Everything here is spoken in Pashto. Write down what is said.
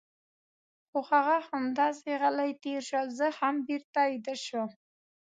خو هغه همداسې غلی تېر شو او زه هم بېرته ویده شوم.